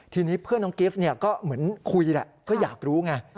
ทีนี้เพื่อนน้องกิฟต์ก็เหมือนคุยแหละก็อยากรู้ไง